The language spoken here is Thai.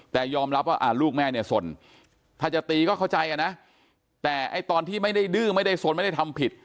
แต่ยอมรับว่าลูกแม่เนี่ยสนถ้าจะตีก็เข้าใจกันนะแต่ไอ้ตอนที่ไม่ได้ดื้อไม่ได้สนไม่ได้ทำผิด